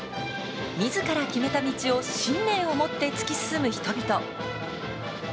みずから決めた道を信念をもって突き進む人々。